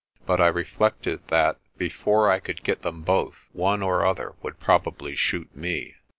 But I reflected that, before I could get them both, one or other would probably shoot me.